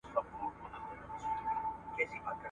موږ په چمن کې ناست یو.